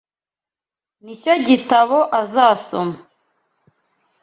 Nicyo gitabo azasoma.